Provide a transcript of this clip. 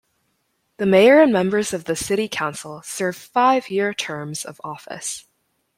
The Mayor and members of the City Council serve five year terms of office.